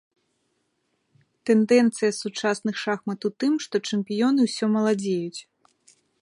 Тэндэнцыя сучасных шахмат у тым, што чэмпіёны ўсё маладзеюць.